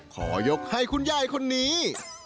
ขอยกให้คุณยายคนนี้